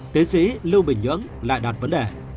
tiến sĩ lưu bình nhưỡng lại đặt vấn đề